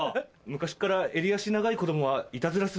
昔っから襟足長い子供はいたずらするって。